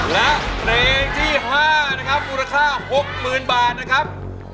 และเพลงที่๕นะครับมูลค่า๖๐๐๐บาทนะครับ